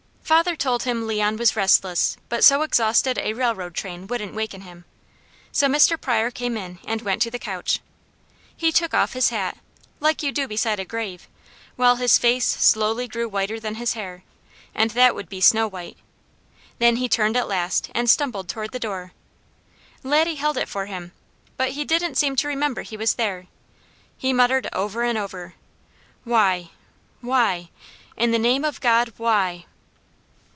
Father told him Leon was restless, but so exhausted a railroad train wouldn't waken him, so Mr. Pryor came in and went to the couch. He took off his hat, like you do beside a grave, while his face slowly grew whiter than his hair, and that would be snow white; then he turned at last and stumbled toward the door. Laddie held it for him, but he didn't seem to remember he was there. He muttered over and over: "Why? Why? In the name of God, why?"